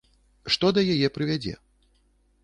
Што да яе прывядзе?